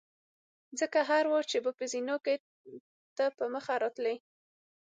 ځکه هر وار چې به په زینو کې ته په مخه راتلې.